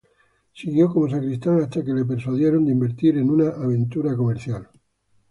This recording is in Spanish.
Siguió como sacristán hasta que le persuadieron de invertir en una aventura comercial.